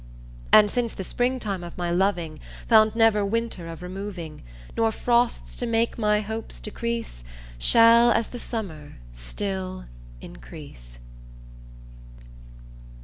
And since the Springtime of my loving Found never Winter of removing Nor frost* to make my hopes decrease Shall as the Summer still increase.